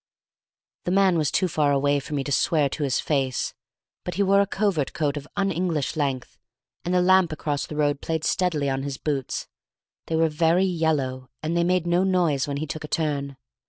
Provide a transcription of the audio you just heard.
The man was too far away for me to swear to his face, but he wore a covert coat of un English length, and the lamp across the road played steadily on his boots; they were very yellow, and they made no noise when he took a turn.